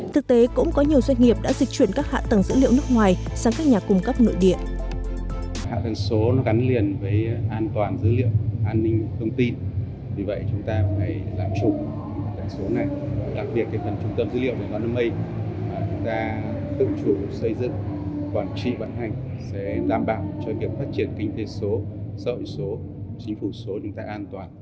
thực tế cũng có nhiều doanh nghiệp đã dịch chuyển các hạ tầng dữ liệu nước ngoài sang các nhà cung cấp nội địa